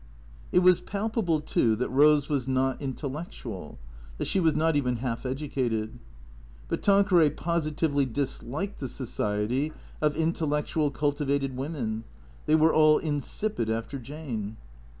It was palpable, too, that Rose was not intellectual, that she was not even half educated. But Tanqueray positively disliked the society of intellectual, cultivated women; they were all in sipid after Jane.